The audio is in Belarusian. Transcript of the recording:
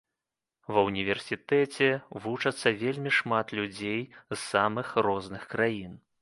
Ва універсітэце вучыцца вельмі шмат людзей з самых розных краін.